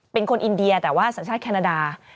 เป็นคนอินเดียแต่ว่าสัญชาติแคนาดา